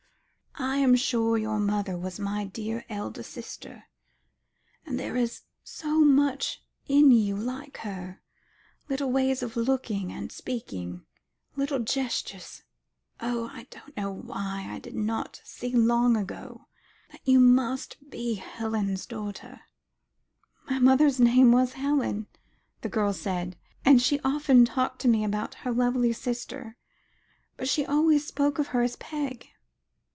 I am sure your mother was my dear elder sister; and there is so much in you like her little ways of looking and speaking, little gestures oh! I don't know why I did not see long ago that you must be Helen's daughter." "Mother's name was Helen," the girl said, "and she often talked to me about her lovely sister, but she always spoke of her as Peg."